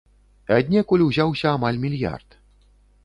Аднекуль узяўся амаль мільярд!